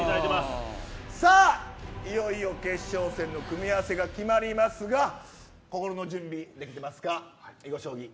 いよいよ決勝戦の組み合わせが決まりますが心の準備できてますか囲碁将棋。